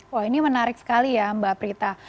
wah ini menarik sekali ya mbak prita